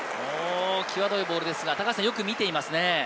際どいボールですが、よく見ていますね。